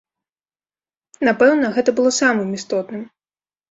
Напэўна, гэта было самым істотным.